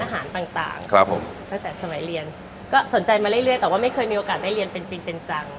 ก็สนใจมาเรื่อยแต่ว่าไม่เคยมีโอกาสได้เรียนเป็นจริงเป็นจัง